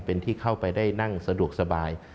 เป็นที่เข้าไปได้นั่งสะดวกสบาย